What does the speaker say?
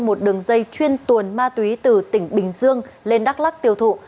một đường dây chuyên tuồn ma túy từ tỉnh bình dương lên đắk lắc tiêu thụ